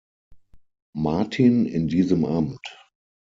Martin in diesem Amt.